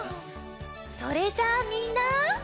それじゃあみんな。